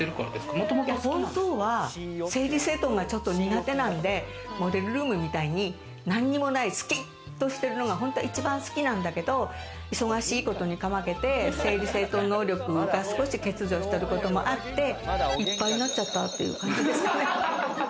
もともとは整理整頓が苦手なんで、モデルルームみたいに何もない、すきっとしてるのが本当は一番好きなんだけれども、忙しいことにかまけて整理整頓能力が少し欠如しとることもあって、いっぱいになっちゃったという感じ。